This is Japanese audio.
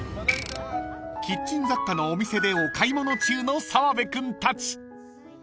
［キッチン雑貨のお店でお買い物中の澤部君たち］